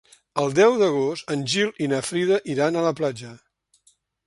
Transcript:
El deu d'agost en Gil i na Frida iran a la platja.